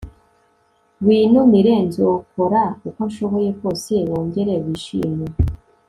winumire nzokora ukonshoboye kwose wongere wishime…